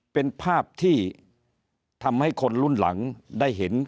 เป็นภาพที่ทำให้คนรุ่นหลังได้เห็น